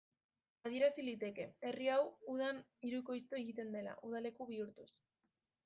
Adierazi liteke, herri hau udan hirukoiztu egiten dela, udaleku bihurtuz.